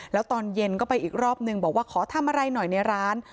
แล้วตอนเย็นก็ไปอีกรอบนึงบอกว่าขอทำอะไรหน่อยในร้าน